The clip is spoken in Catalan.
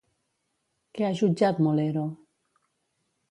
Què ha jutjat Molero?